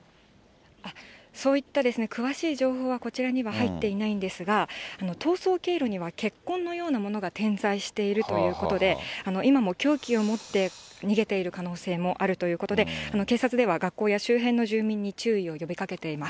そういった詳しい情報はこちらには入っていないんですが、逃走経路には血痕のようなものが点在しているということで、今も凶器を持って逃げている可能性もあるということで、警察では、学校や周辺の住民に注意を呼びかけています。